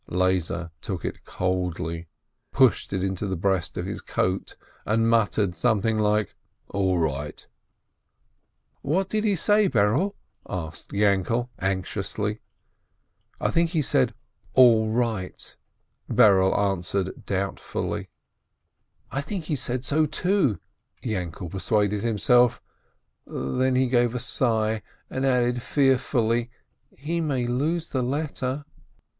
Lezer took it coldly, pushed it into the breast of his coat, and muttered something like "All right !" "What did he say, Berele?" asked Yainkele, anx iously. "I think he said 'all right,' " Berele answered doubt fully. 400 RAISIN "I think he said so, too," Yainkele persuaded himself. Then he gave a sigh, and added fearfully : "He may lose the letter